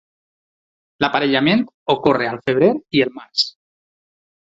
L'aparellament ocorre al febrer i el març.